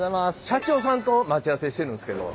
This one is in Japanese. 社長さんと待ち合わせしてるんですけど。